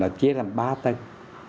thường thành là một mặt băng ba tầng